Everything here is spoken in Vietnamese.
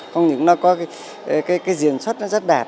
không những nó có cái diễn xuất nó rất đạt